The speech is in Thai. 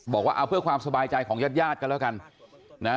บอกว่าเอาเพื่อความสบายใจของญาติญาติกันแล้วกันนะ